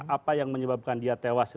apa yang menyebabkan dia tewas